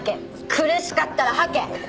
苦しかったら吐け！